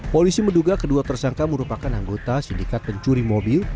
polisi menduga kedua tersangka merupakan anggota sindikat pencuri mobil